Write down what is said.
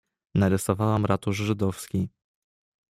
"Narysowałem ratusz żydowski."